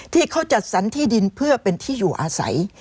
ที่เขาจัดสรรที่ดินเพื่อเป็นที่อยู่อาศัย